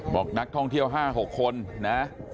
บอกนักท่องเที่ยว๕๖คนนะ